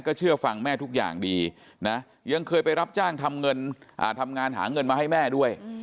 เชื่อฟังแม่ทุกอย่างดีนะยังเคยไปรับจ้างทำงานหาเงินมาให้แม่ด้วย